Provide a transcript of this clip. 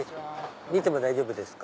見ても大丈夫ですか？